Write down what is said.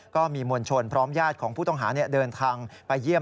ก็มีมวลชนพร้อมญาติของผู้ต้องหาเดินทางไปเยี่ยม